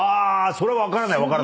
それは分からない。